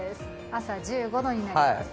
朝１５度になります。